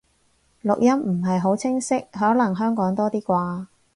錄音唔係好清晰，可能香港多啲啩